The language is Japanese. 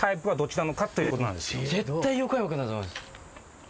絶対横山君だと思います。